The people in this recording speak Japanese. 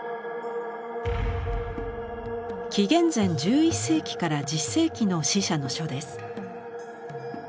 紀元前１１世紀から１０世紀の「死者の書」です。